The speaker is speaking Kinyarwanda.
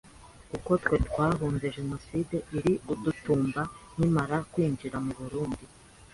kuko twe twahunze genocide iri gututumba nkimara kwinjira mu Burundi,